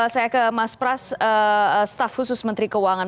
saya ke mas pras staf khusus menteri keuangan